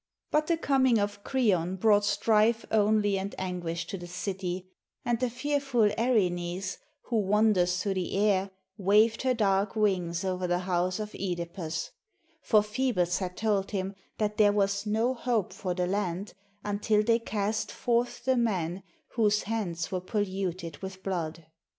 But the coming of Kreon brought strife only and an guish to the city, and the fearful Erinys who wanders through the air waved her dark wings over the house of (Edipus; for Phoebus had told him that there was no hope for the land until they cast forth the man whose hands were polluted with blood.